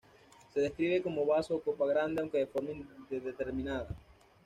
Se describe como vaso o copa grande, aunque de forma indeterminada.